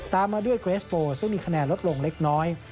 ตามมาด้วยเกรสโปซึ่งมีคะแนนลดลงเล็กน้อย